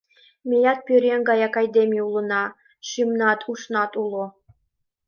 Меат пӧръеҥ гаяк айдеме улына: шӱмнат, ушнат уло.